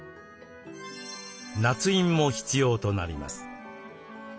なつ印も必要となります。